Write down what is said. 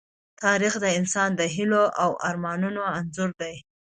تاریخ د انسان د هيلو او ارمانونو انځور دی.